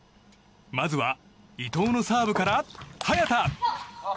まずは伊藤のサーブから早田！